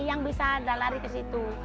yang bisa anda lari ke situ